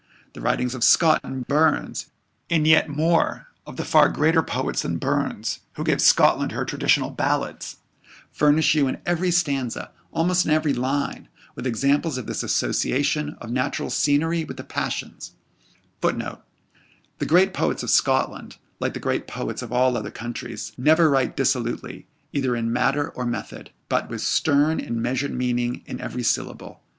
The writings of Scott and Burns and yet more, of the far greater poets than Burns who gave Scotland her traditional ballads, furnish you in every stanza almost in every line with examples of this association of natural scenery with the passions; [Footnote: The great poets of Scotland, like the great poets of all other countries, never write dissolutely, either in matter or method; but with stern and measured meaning in every syllable.